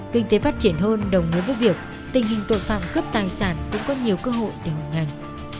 kinh tế phát triển hơn đồng nghĩa với việc tình hình tội phạm cướp tài sản cũng có nhiều cơ hội để hoàn ngành